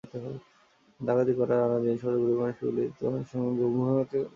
ডাকাতি করা আনা জিনিসপত্র গরিব মানুষকে বিলিয়ে দিত বলে এলাকার মানুষের কাছে রঘু ডাকাত ভগবানের মতো ছিল।